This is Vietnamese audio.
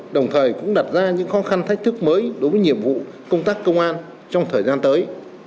đồng thời cũng đặt ra những khó khăn thách thức mới đối với nhiệm vụ công tác công an trong thời gian tới